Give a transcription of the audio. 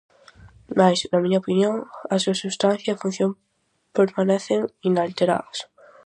Mais, na miña opinión, a súa substancia e función permanecen inalteradas.